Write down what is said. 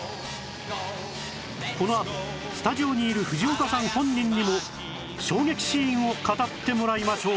このあとスタジオにいる藤岡さん本人にも衝撃シーンを語ってもらいましょう